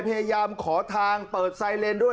พยายามขอทางเปิดไซเลนด้วย